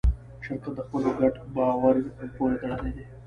شرکت د خلکو ګډ باور پورې تړلی دی.